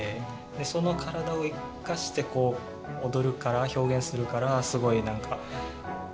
その体を生かして踊るから表現するからすごい何か何だろう？